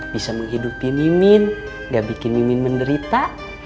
bisa menghidupi mimin gak bikin mimin menderita